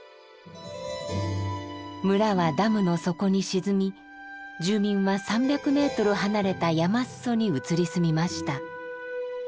村はダムの底に沈み住民は３００ｍ離れた山裾に移り住みました。